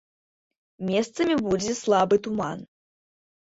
Месцамі будзе слабы туман.